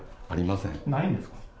ありません。